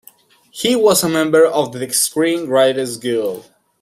He was a member of the Screen Writers Guild.